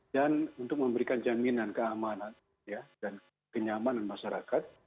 dan untuk memberikan jaminan keamanan ya dan kenyamanan masyarakat